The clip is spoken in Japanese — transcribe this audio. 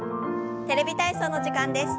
「テレビ体操」の時間です。